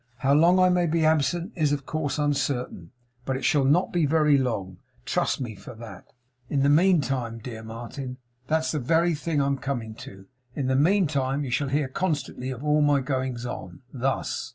How long I may be absent is, of course, uncertain; but it shall not be very long. Trust me for that.' 'In the meantime, dear Martin ' 'That's the very thing I am coming to. In the meantime you shall hear, constantly, of all my goings on. Thus.